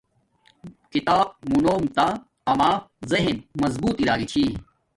کتاب مونوم تا اما زہن مضبوط اراگی چھی